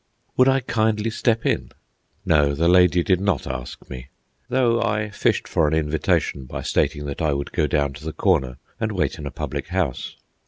Would I kindly step in?—no, the lady did not ask me, though I fished for an invitation by stating that I would go down to the corner and wait in a public house.